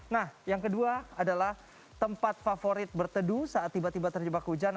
nah yang kedua adalah tempat favorit berteduh saat tiba tiba terjebak hujan